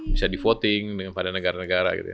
bisa di voting pada negara negara gitu ya